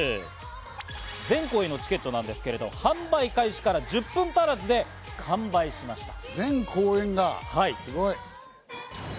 全公演のチケットなんですけど、販売開始から１０分足らずで完売しました。